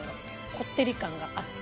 こってり感があって。